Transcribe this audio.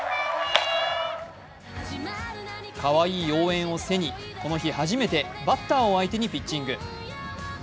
かわいい応援を背にこの日初めてバッターを相手にピッチング。